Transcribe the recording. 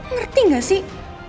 ngerti gak sih